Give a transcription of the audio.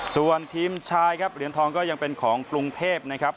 ส่วนทีมชายครับเหรียญทองก็ยังเป็นของกรุงเทพนะครับ